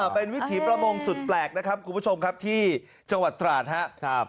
เป็นวิถีประมงสุดแปลกนะครับคุณผู้ชมครับที่จังหวัดตราดครับ